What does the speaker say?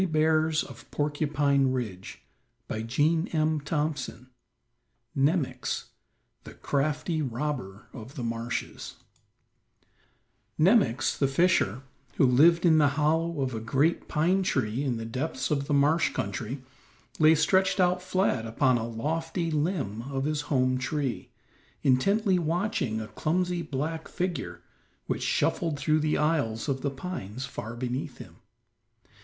[Illustration: NEMOX, THE CRAFTY ROBBER OF THE MARSHES] XXIII NEMOX, THE CRAFTY ROBBER OF THE MARSHES Nemox, the fisher, who lived in the hollow of a great pine tree, in the depths of the marsh country, lay stretched out flat upon a lofty limb of his home tree, intently watching a clumsy black figure which shuffled through the aisles of the pines far beneath him.